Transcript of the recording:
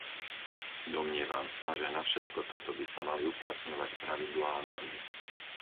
Domnievam sa, že na všetko toto by sa mali uplatňovať pravidlá a normy.